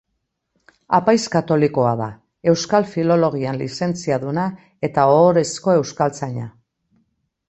Apaiz katolikoa da, Euskal Filologian lizentziaduna eta ohorezko euskaltzaina.